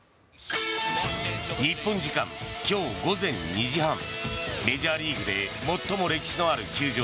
日本時間、今日午前２時半メジャーリーグで最も歴史のある球場